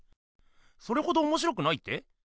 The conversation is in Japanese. それほどおもしろくないって？